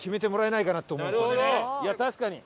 いや確かに。